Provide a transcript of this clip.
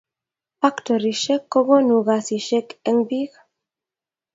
Pactorisiek kokonu kasisiek eng bike.